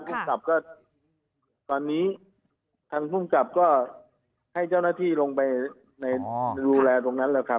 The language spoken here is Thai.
ภูมิกับก็ตอนนี้ทางภูมิกับก็ให้เจ้าหน้าที่ลงไปในดูแลตรงนั้นแล้วครับ